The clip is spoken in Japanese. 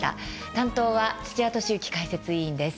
担当は土屋敏之解説委員です。